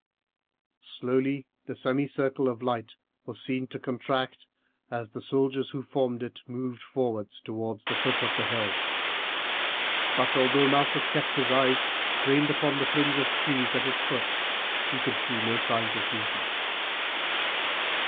Slowly the semicircle of light was seen to contract as the soldiers who formed it moved forward towards the foot of the hill; but although Malchus kept his eyes strained upon the fringe of trees at its foot, he could see no signs of movement.